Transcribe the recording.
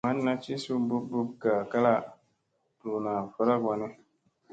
Matna ci suu bup bup gaa kala ,duuna varak wanni.